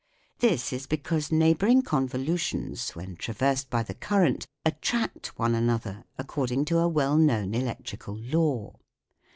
This is because neighbouring convolutions when traversed by the current attract one another according to a well known electrical law.